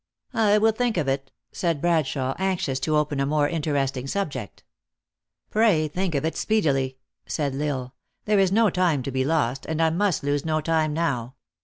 " I will think of it," said Bradshawe, anxious to open a more interesting subject. "Pray think of it speedily," said L Isle. "There is no time to be lost, and I must lose no time now.